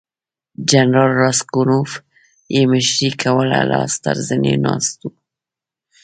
جنرال راسګونوف یې مشري کوله لاس تر زنې ناست وو.